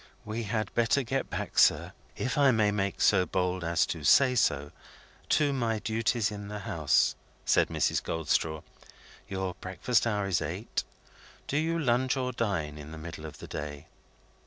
"We had better get back, sir (if I may make so bold as to say so), to my duties in the house," said Mrs. Goldstraw. "Your breakfast hour is eight. Do you lunch, or dine, in the middle of the day?"